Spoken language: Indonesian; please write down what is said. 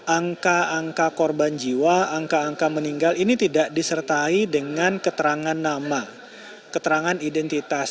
angka angka korban jiwa angka angka meninggal ini tidak disertai dengan keterangan nama keterangan identitas